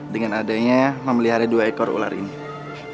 dengan adanya memelihara dua ekor ular ini